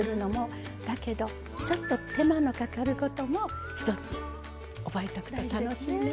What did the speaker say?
だけどちょっと手間のかかることもひとつ覚えておくと楽しいね。